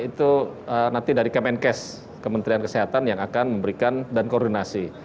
itu nanti dari kemenkes kementerian kesehatan yang akan memberikan dan koordinasi